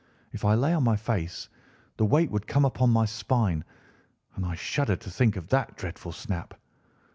If I lay on my face the weight would come upon my spine, and I shuddered to think of that dreadful snap.